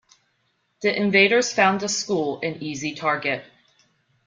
The invaders found the school an easy target.